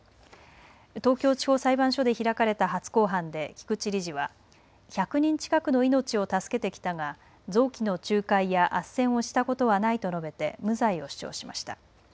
東京地方裁判所で開かれた初公判で菊池理事は１００人近くの命を助けてきたが臓器の仲介やあっせんをしたことはないと述べて無罪を主張しました。